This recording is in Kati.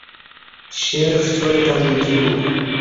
شیر ݜیالہ تہ گجیکو